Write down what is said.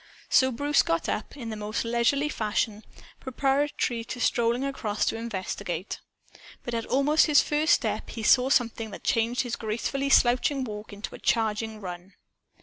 So Bruce got up, in the most leisurely fashion, preparatory to strolling across to investigate. But at almost his first step he saw something that changed his gracefully slouching walk into a charging run.